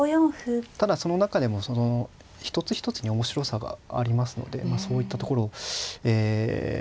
ただその中でもその一つ一つに面白さがありますのでそういったところをえま